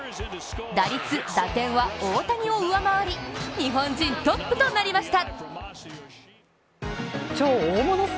打率・打点は大谷を上回り日本人トップとなりました。